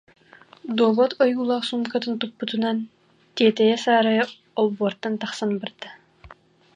дуобат ойуулаах суумкатын туппутунан тиэтэйэ-саарайа олбуортан тахсан барда